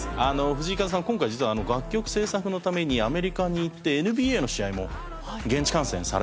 今回実は楽曲制作のためにアメリカに行ってＮＢＡの試合も現地観戦されたそうなんですね。